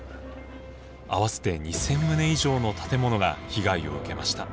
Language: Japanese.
合わせて２，０００棟以上の建物が被害を受けました。